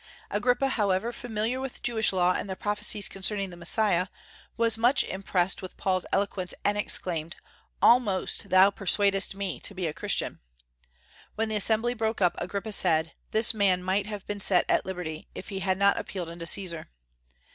Agrippa, however, familiar with Jewish law and the prophecies concerning the Messiah, was much impressed with Paul's eloquence, and exclaimed: "Almost thou persuadest me to be a Christian!" When the assembly broke up, Agrippa said, "This man might have been set at liberty, if he had not appealed unto Caesar."